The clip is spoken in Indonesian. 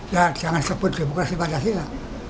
ya jangan sebut demokrasi pancasila